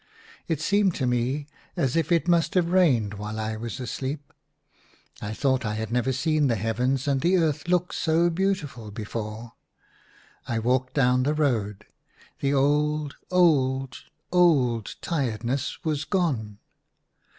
It seemed to me as if it must have rained while I was asleep. I thought I had never seen the heavens and the earth look so beautiful before. I walked down the road. The old, old, old tiredness was gone.